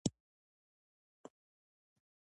د عام اولس د خدمت فورم وي -